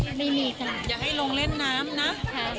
อย่าให้ลงเล่นน้ำนะ